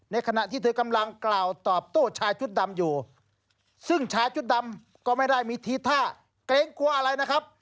ขณะที่เธอกำลังกล่าวตอบโต้ชายชุดดำอยู่ซึ่งชายชุดดำก็ไม่ได้มีทีท่าเกรงกลัวอะไรนะครับ